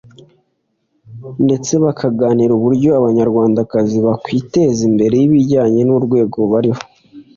ndetse bakaganira uburyo Abanyarwandakazi bakwiteza imbere bijyanye n’urwego bariho